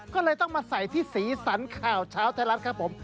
ก็เลยต้องมาใส่ที่สีสันข่าวเช้าไทยรัฐครับผม